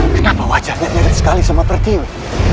kenapa wajahnya mirip sekali sama pertiwi